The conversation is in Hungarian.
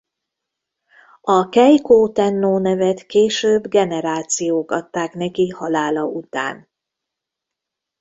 A Keikó-tennó nevet később generációk adták neki halála után.